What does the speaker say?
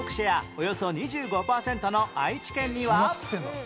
およそ２５パーセントの愛知県には